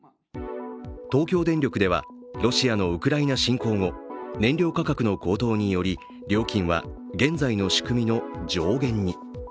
東京電力では、ロシアのウクライナ侵攻後、燃料価格の高騰により料金は現在の仕組みの上限に。